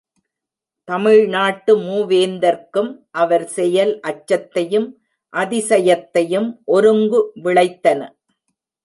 தமிழ்நாட்டு மூவேந்தர்க்கும் அவர் செயல் அச்சத்தையும் அதிசயத்தையும் ஒருங்கு விளைத்தன.